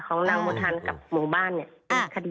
ของนางโมทันกับหมู่บ้านเนี่ย